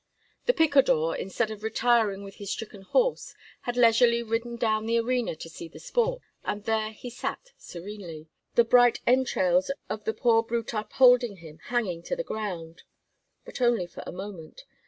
The picador, instead of retiring with his stricken horse, had leisurely ridden down the arena to see the sport, and there he sat serenely, the bright entrails of the poor brute upholding him hanging to the ground. But only for a moment.